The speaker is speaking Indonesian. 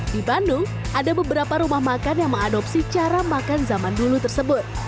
di bandung ada beberapa rumah makan yang mengadopsi cara makan zaman dulu tersebut